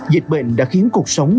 dịch bệnh đã khiến cuộc sống